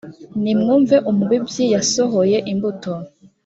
nimwumve umubibyi yasohoye imbuto